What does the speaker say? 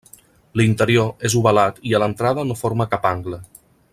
L'interior és ovalat i a l'entrada no forma cap angle.